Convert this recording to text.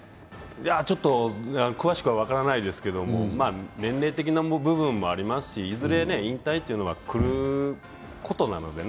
ちょっと詳しくは分からないですけど、年齢的な部分もありますしいずれ引退というのは来ることなのでね。